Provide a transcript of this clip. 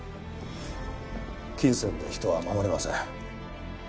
金銭で人は護れません。